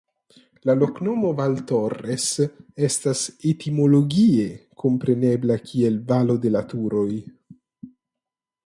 La loknomo "Valtorres" estas etimologie komprenebla kiel "Valo de la Turoj".